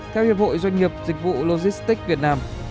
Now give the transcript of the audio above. theo hiệp hội doanh nghiệp dịch vụ logistics việt nam